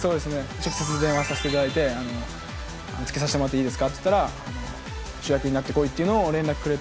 直接電話させていただいて「付けさせてもらっていいですか」って言ったら「主役になってこい」っていうのを連絡くれて。